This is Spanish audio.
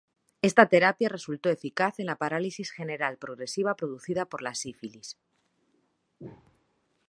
Esta terapia resultó eficaz en la parálisis general progresiva producida por la sífilis.